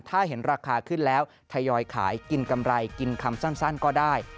ถ้าเห็นราคาขึ้นแล้วทยอยขายกินกำไรกินคำสั้นก็ได้